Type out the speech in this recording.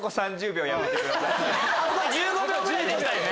１５秒ぐらいで行きたいね。